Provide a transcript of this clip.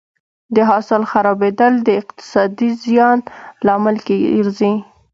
د حاصل خرابېدل د اقتصادي زیان لامل ګرځي.